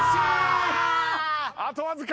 あとわずか。